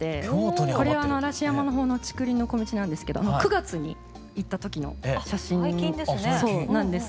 これは嵐山の方の竹林の小道なんですけど９月に行った時の写真なんですが。